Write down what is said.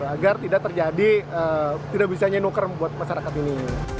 agar tidak terjadi tidak bisanya nuker buat masyarakat ini